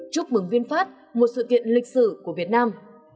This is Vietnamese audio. chúc mừng vinfast một sự kiện lịch sử của việt nam